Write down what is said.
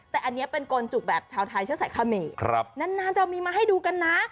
แต่อันนี้เป็นโกนจุกแบบชาวไทยเชื้อสายคาเมนานจะมีมาให้ดูกันนะ